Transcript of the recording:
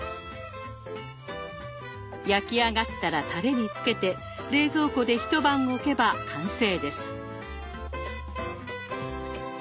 焼き上がったらタレに漬けて冷蔵庫で一晩おけば完成です。